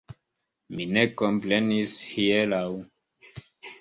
Mi ne komprenis hieraŭ.